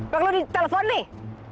kamu di telepon nih